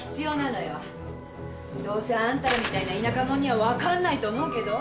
どうせあんたらみたいな田舎もんには分かんないと思うけど。